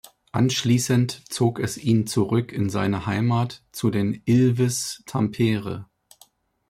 Anschließend zog es ihn zurück in seine Heimat zu den Ilves Tampere.